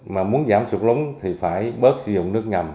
mà muốn giảm sụp lúng thì phải bớt sử dụng nước ngầm